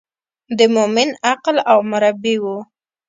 د مومن عقل او مربي و.